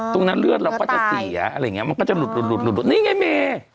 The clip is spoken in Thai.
ตรงนั้นเลือดเราก็จะเสียมันก็จะหลุดนี่ไงเม